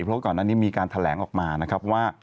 เพราะก่อนอันนี้มีการแถลงออกมานะครับว่า